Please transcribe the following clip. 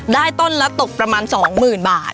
ได้ต้นละตกประมาณ๒หมื่นบาท